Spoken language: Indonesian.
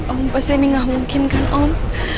om pasti ini tidak mungkin kan om